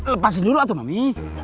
lepasin dulu tuh mami